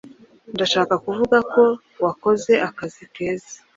Ndashaka kuvuga ko wakoze akazi keza.